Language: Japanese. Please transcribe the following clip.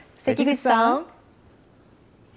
関口さん。